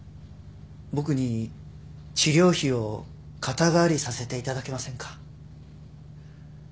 僕に治療費を肩代わりさせていただけませんか？